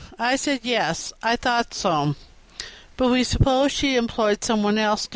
I said, 'Yes, I thought so, but we supposed she employed some one else now.'"